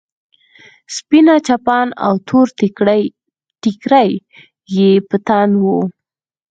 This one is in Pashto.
سپينه چپن او تور ټيکری يې په تن و.